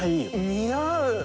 似合う。